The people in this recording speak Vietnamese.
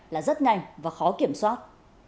là rất nhanh và khó kiểm soát